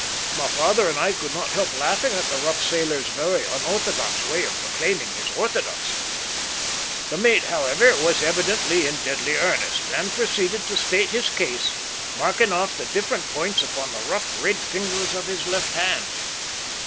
My father and I could not help laughing at the rough sailor's very unorthodox way of proclaiming his orthodoxy. The mate, however, was evidently in deadly earnest, and proceeded to state his case, marking off the different points upon the rough, red fingers of his left hand.